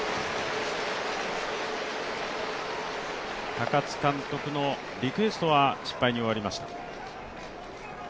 高津監督のリクエストは失敗に終わりました。